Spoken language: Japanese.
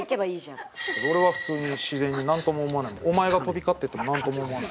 俺は普通に自然になんとも思わない「お前」が飛び交っててもなんとも思わない。